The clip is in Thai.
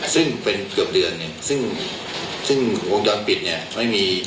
ซึ่งเป็นเกือบเดือนเนี่ยซึ่งซึ่งวงจรปิดเนี่ยไม่มี